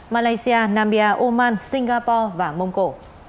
malaysia namia oman singapore và mông cổ